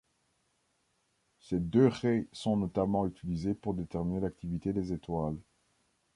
Ces deux raies sont notamment utilisées pour déterminer l'activité des étoiles.